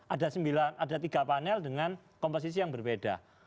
ada tiga panel dengan komposisi yang berbeda